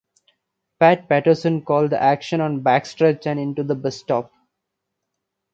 Pat Patterson called the action on the backstretch and into the bus stop.